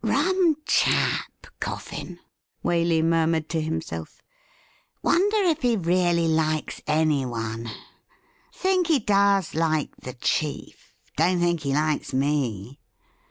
' Rum chap. Coffin !' Waley murmured to himself. ' Wonder, if he really likes anyone ? Think he does Kke the chief. Don't think he likes me.